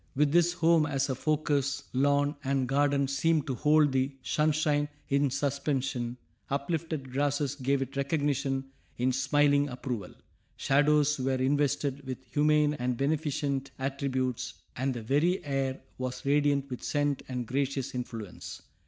With this home as a focus, lawn and garden seemed to hold the sunshine in suspension; uplifted grasses gave it recognition in smiling approval; shadows were invested with humane and beneficent attributes, and the very air was radiant with scent and gracious influence.